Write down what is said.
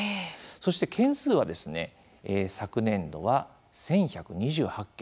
そして件数は昨年度は１１２８件。